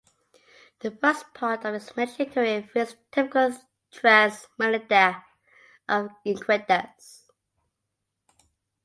The first part of his military career fits the typical "tres militiae" of "equites".